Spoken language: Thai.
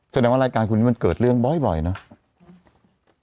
แสดงว่ารายการคนนี้มันเกิดเรื่องบ่อยเนอะ